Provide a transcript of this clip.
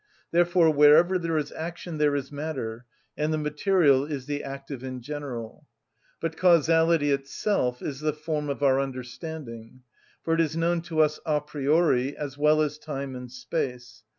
Therefore wherever there is action there is matter, and the material is the active in general. But causality itself is the form of our understanding; for it is known to us a priori, as well as time and space.